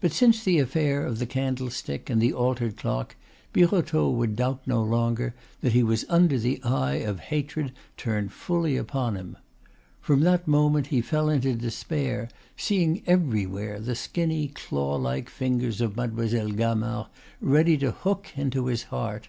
But since the affair of the candlestick and the altered clock, Birotteau would doubt no longer that he was under an eye of hatred turned fully upon him. From that moment he fell into despair, seeing everywhere the skinny, clawlike fingers of Mademoiselle Gamard ready to hook into his heart.